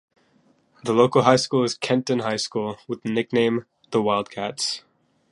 The local high school is Kenton High School, with the nickname the "Wildcats".